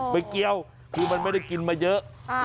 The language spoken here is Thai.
ไม่เกี่ยวคือมันไม่ได้กินมาเยอะ